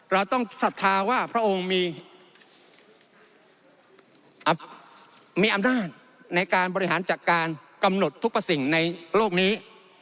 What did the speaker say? เราต้องศรัทธาว่าพระองค์มีอำนาจในการบริหารจัดการกำหนดทุกประสิ่งในโลกนี้